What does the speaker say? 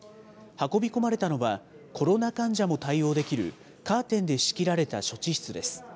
運び込まれたのは、コロナ患者も対応できるカーテンで仕切られた処置室です。